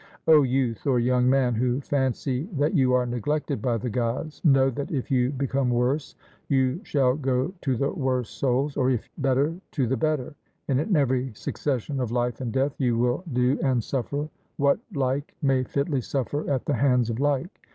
O youth or young man, who fancy that you are neglected by the Gods, know that if you become worse you shall go to the worse souls, or if better to the better, and in every succession of life and death you will do and suffer what like may fitly suffer at the hands of like.